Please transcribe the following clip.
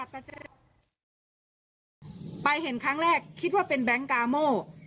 ไปเห็นครั้งแรกคิดว่าเป็นแบงค์กาโม่